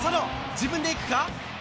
自分で行くか。